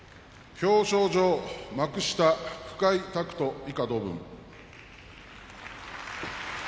表彰状、幕下深井拓斗以下同文。